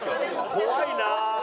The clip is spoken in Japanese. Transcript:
怖いなあ。